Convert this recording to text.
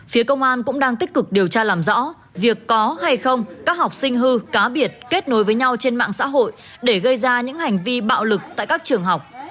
phía công an cũng đang tích cực điều tra làm rõ việc có hay không các học sinh hư cá biệt kết nối với nhau trên mạng xã hội để gây ra những hành vi bạo lực tại các trường học